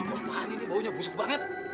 apaan ini baunya busuk banget